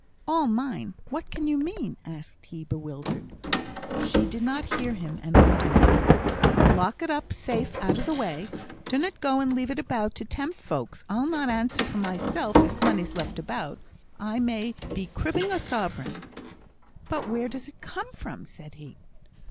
"All mine! What can you mean?" asked he, bewildered. She did not hear him, and went on: "Lock it up safe, out o' the way. Dunnot go and leave it about to tempt folks. I'll not answer for myself if money's left about. I may be cribbing a sovereign." "But where does it come from?" said he.